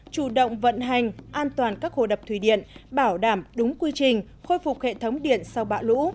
chủ động vận hành an toàn các hồ đập thủy điện bảo đảm đúng quy trình khôi phục hệ thống điện sau bão lũ